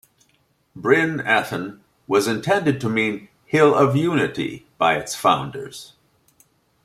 "Bryn Athyn" was intended to mean "Hill of Unity" by its founders.